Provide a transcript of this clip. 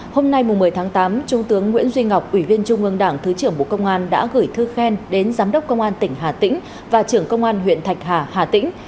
hôm nay một mươi tháng tám trung tướng nguyễn duy ngọc ủy viên trung ương đảng thứ trưởng bộ công an đã gửi thư khen đến giám đốc công an tỉnh hà tĩnh và trưởng công an huyện thạch hà hà tĩnh